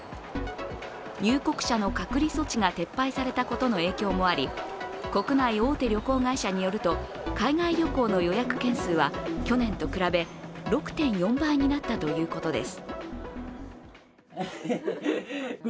入国者の隔離措置が撤廃されたことの影響もあり国内大手旅行会社によると海外旅行の予約件数は去年と比べ、６．４倍になったということです。